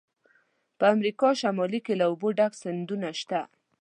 په شمالي امریکا کې له اوبو ډک سیندونه شته.